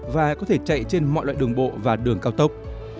và có thể chạy trên mọi loại đường bộ và đường cao tốc